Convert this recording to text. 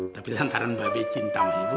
tapi lantaran mba be cinta sama ibu